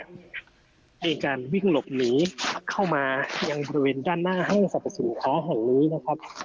มีการวิ่งหลบหนีเข้ามายังบริเวณด้านหน้าห้างสรรพสินค้าแห่งนี้นะครับ